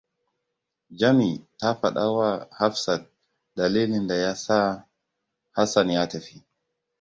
Jami ta faɗawa Hafsat dalilin da ya sa Hassan ya tafi.